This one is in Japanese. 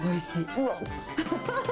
うわっ。